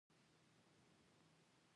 پسه حلال شو او د وریجو دېګ باندې شو.